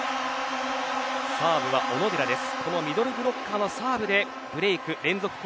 サーブは小野寺です。